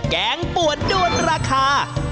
แกงป่วนด้วนราคา